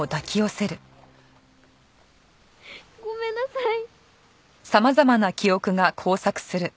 ごめんなさい。